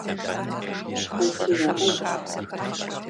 Фочи яӀыгъщ.